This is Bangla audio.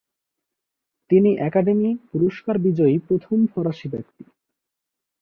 তিনি একাডেমি পুরস্কার বিজয়ী প্রথম ফরাসি ব্যক্তি।